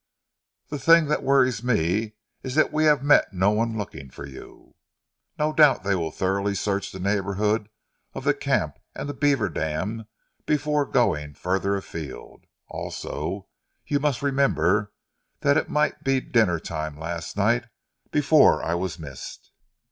"The thing that worries me is that we have met no one looking for you." "No doubt they will thoroughly search the neighbourhood of the camp and the beaver dam before going further afield. Also, you must remember that it might be dinner time last night before I was missed."